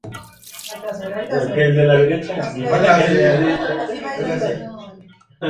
Es imposible evitarlo, porque la ciudad no posee una avenida de circunvalación.